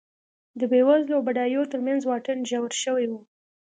د بېوزلو او بډایو ترمنځ واټن ژور شوی و